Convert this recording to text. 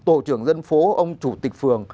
ông chủ tịch phường